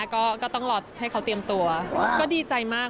ก็ต้องรอให้เขาเตรียมตัวก็ดีใจมาก